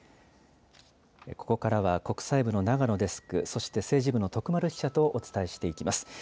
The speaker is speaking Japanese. ここからは国際部の長野デスク、そして政治部の徳丸記者とお伝えしていきます。